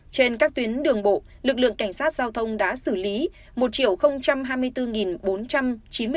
trên các tuyến đường bộ lực lượng cảnh sát giao thông đã xử lý một hai mươi bốn bốn trăm hai mươi trường hợp vi phạm